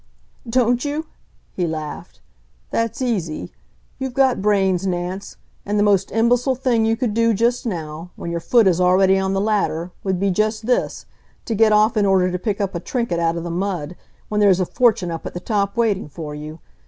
"Don't you?" he laughed. "That's easy. You've got brains, Nance, and the most imbecile thing you could do just now, when your foot is already on the ladder, would be just this to get off in order to pick up a trinket out of the mud, when there's a fortune up at the top waiting for you.